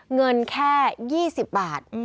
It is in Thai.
เงินแค่๒๐บาท